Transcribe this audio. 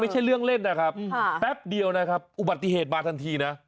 ไม่ใช่เรื่องเล่นนะครับแป๊บเดียวนะครับอุบัติเหตุมาทันทีนะ